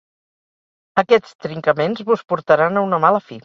Aquests trincaments vos portaran a una mala fi.